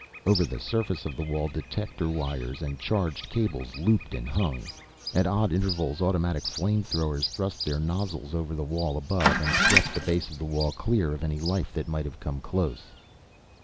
Over the surface of the wall detector wires and charged cables looped and hung. At odd intervals automatic flame throwers thrust their nozzles over the wall above and swept the base of the wall clear of any life that might have come close.